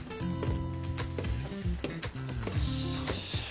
よし。